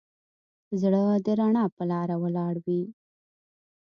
زړه د رڼا په لاره ولاړ وي.